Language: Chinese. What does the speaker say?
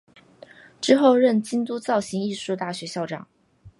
之后任京都造形艺术大学校长。